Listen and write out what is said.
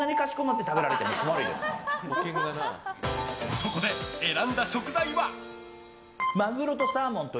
そこで選んだ食材は？